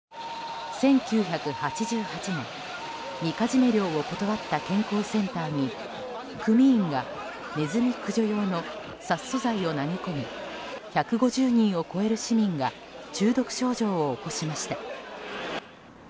１９８８年、みかじめ料を断った健康センターに組員がネズミ駆除用の殺そ剤を投げ込み１５０人を超える市民が中毒症状を起こしました。